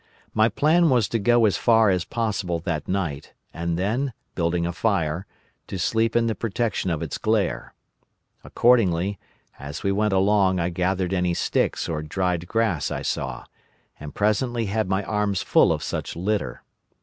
My plan was to go as far as possible that night, and then, building a fire, to sleep in the protection of its glare. Accordingly, as we went along I gathered any sticks or dried grass I saw, and presently had my arms full of such litter.